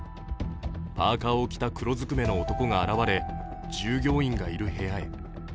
パーカーを着た黒ずくめの男が現れ、従業員がいる部屋へ。